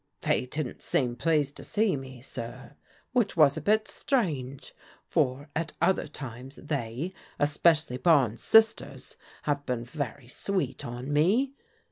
" They didn't seem pleased to see me, sir, which was a bit strange, for at other times, they, especially Barnes' sisters, have been very sweet on me.